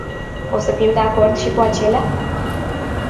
O să fim de acord și cu acelea?